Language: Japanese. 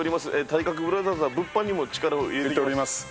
体格ブラザーズは物販にも力を入れております。